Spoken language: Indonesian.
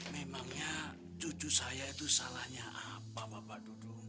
memangnya cucu saya itu salahnya apa bapak dudung